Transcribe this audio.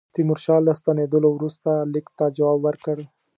تیمورشاه له ستنېدلو وروسته لیک ته جواب ورکړ.